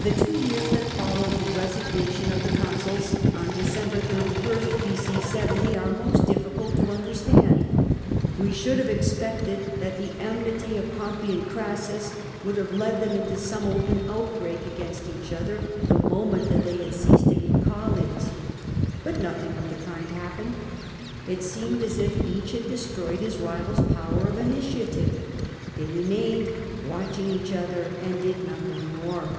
The two years that followed the resignation of the consuls on December 31, B.O. 70, are most difficult to understand. We should have expected that the enmity of Pompey and Orassus would have led them into some open outbreak against each other, the moment that they had ceased to be colleagues. But nothing of the kind happened; it seemed as if each had destroyed his rival's power of initiative. They remained watching each other and did nothing more.